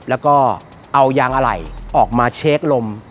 แล้วก็เอายางอะไหล่ออกมาเช็คลม